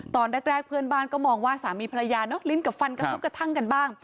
ตอนแรกเพื่อนบ้านก็มองว่าสามีภรรยาเนาะลิ้นกับฟันกระทบกระทั่งกันบ้าง